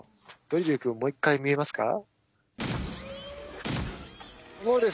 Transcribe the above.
ドリルくんもう一回見えますか？